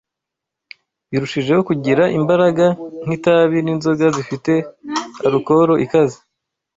birushijeho kugira imbaraga, nk’itabi n’inzoga zifite alukoro ikaze